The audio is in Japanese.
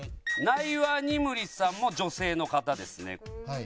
ナイワ・ニムリさんも女性の方ですね。